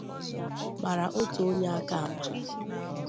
màrà otu onye aka àkpà